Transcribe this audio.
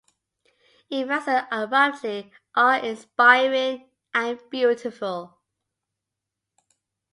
It rises abruptly, awe inspiring and beautiful.